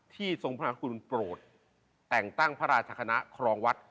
ทรงพระคุณโปรดแต่งตั้งพระราชคณะครองวัด